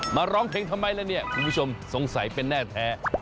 ร้องเพลงทำไมล่ะเนี่ยคุณผู้ชมสงสัยเป็นแน่แท้